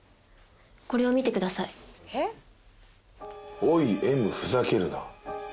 これを見てください「おいＭふざけるな」